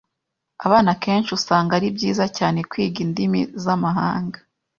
Abana akenshi usanga ari byiza cyane kwiga indimi z'amahanga.